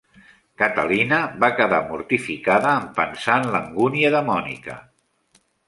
Catalina va quedar mortificada en pensar en l'angúnia de Monica.